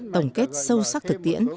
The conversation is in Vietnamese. tổng kết sâu sắc thực tiễn